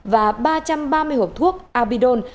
và ba trăm ba mươi hộp thuốc abidol